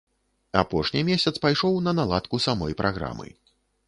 Апошні месяц пайшоў на наладку самой праграмы.